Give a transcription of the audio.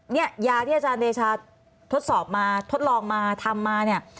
เนี่ยยาที่อาจารย์เดชาทดสอบมาทดลองมาทำมาเนี่ย